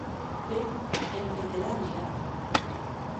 Be èm veterans ja!.